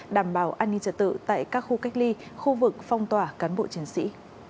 đảm bảo an ninh trật tự tại các khu cách ly khu vực phong tỏa cán bộ chiến sĩ